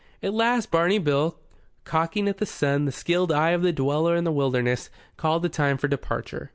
At last Barney Bill, cocking at the sun the skilled eye of the dweller in the wilderness, called the time for departure.